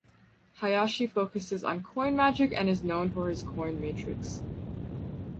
Hayashi focuses on coin magic and is known for his coin matrix.